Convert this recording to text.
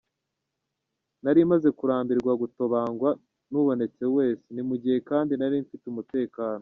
Nari maze kurambirwa gutobangwa n’ubonetse wese, ni mu gihe kandi nari mfite umutekano.